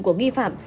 của nghi phạm